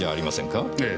ええ。